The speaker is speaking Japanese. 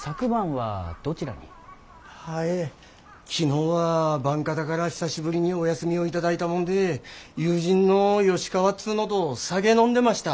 はい昨日は晩方から久しぶりにお休みを頂いたもんで友人の吉川っつうのど酒飲んでました。